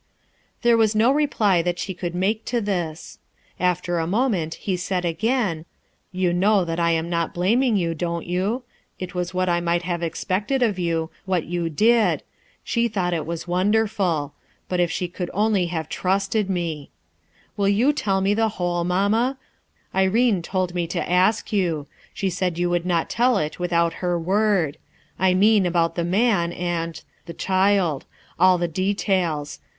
There was no reply that she could make to this. "SOMETHING HAD IIVPPFvm,, After a moment, he said a^ain «v i .,,„.* 0U know that I am not blaming you, don't vou» i* _.,,. J uu it was what I might have expected of you, *hat did; she thought it was wonderful. But if & could only have trusted me ! "Will you tell mc the whole, mamma? I rcne told me to ask you ; she said you would not tell it without her word. I mean about the man and— the child; all the details.